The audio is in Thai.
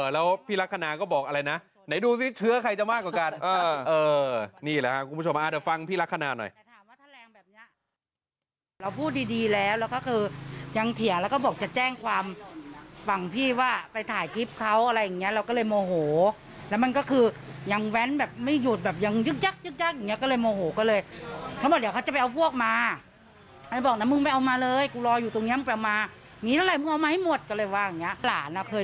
แล้วพี่ลักษณะก็บอกอะไรนะไหนดูสิเชื้อใครจะมากกว่ากันนี่แหละครับคุณผู้ชมเดี๋ยวฟังพี่ลักษณะหน่อย